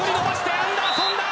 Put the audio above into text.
アンダーソンだ。